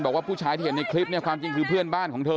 ผู้ชายที่เห็นในคลิปเนี่ยความจริงคือเพื่อนบ้านของเธอ